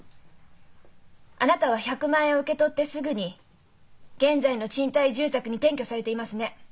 あなたは１００万円を受け取ってすぐに現在の賃貸住宅に転居されていますね？